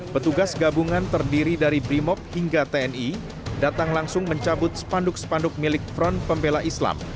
petugas gabungan terdiri dari brimob hingga tni datang langsung mencabut spanduk spanduk milik front pembela islam